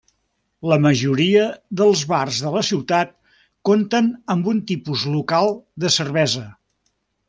La majoria dels bars de la ciutat compten amb un tipus local de cervesa.